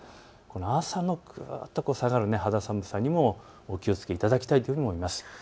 朝のぐっと下がる肌寒さにもお気をつけいただきたいと思います。